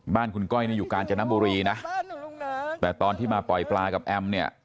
บ้านคุณก้อยนี่อยู่กาญจนบุรีนะแต่ตอนที่มาปล่อยปลากับแอมเนี่ย